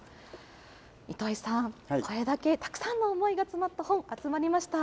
糸井さん、これだけたくさんの思いが詰まった本、集まりました。